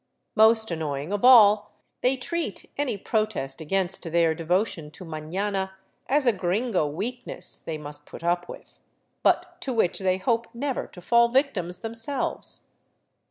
Most annoying of all, they treat any protest against their devotion to mafiana as a gringo weakness they must put up with, but to which they hope nevci" to fall victims themselves.